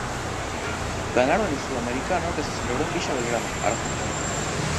Ganaron el sudamericano que se celebró en Villa Belgrano, Argentina.